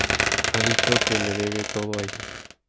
Ha dicho que "le debe todo a ellos".